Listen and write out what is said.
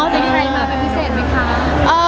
มีใครมาเป็นพิเศษไหมคะ